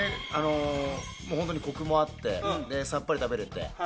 ホントにコクもあってさっぱり食べれて。